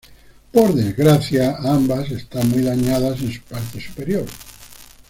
Por desgracia, ambas están muy dañadas en su parte superior.